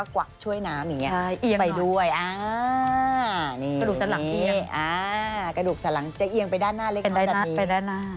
กระดูกสัดหลังจะเอียงไปด้านหน้าเล็กน้อยแบบนี้